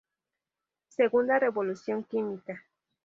Segunda revolución química